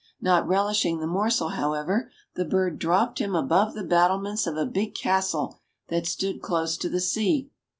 Not relishing the morsel, however, the bird dropped him above the battlements of a big castle that stood close to the sea.